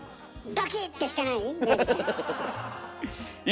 ドキ！ってしてない？